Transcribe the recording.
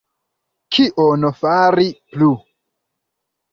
Kion fari plu?